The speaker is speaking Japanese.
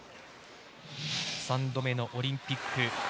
３度目のオリンピック。